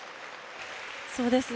そうですね。